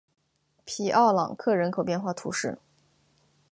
皮奥朗克人口变化图示